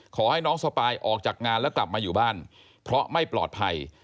ขอให้น้องสปายออกจากงานแล้วกลับมาอยู่บ้านเพราะไม่ปลอดภัย